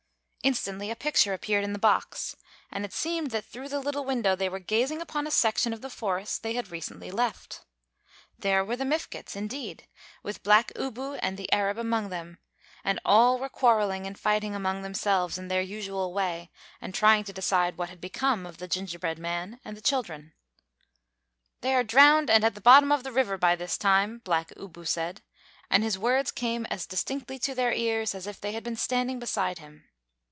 Instantly a picture appeared in the box, and it seemed that through the little window they were gazing upon a section of the forest they had recently left. There were the Mifkets, indeed, with Black Ooboo and the Arab among them, and all were quarreling and fighting among themselves in their usual way, and trying to decide what had become of the gingerbread man and the children. "They are drowned and at the bottom of the river, by this time," Black Ooboo said; and his words came as distinctly to their ears as if they had been standing beside him.